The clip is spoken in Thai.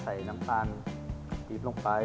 ใส่น้ำตาลปรี๊บลงไป